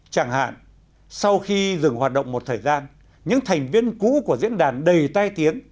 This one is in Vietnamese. chẳng hạn sau khi dừng hoạt động một thời gian những thành viên cũ của diễn đàn đầy tai tiếng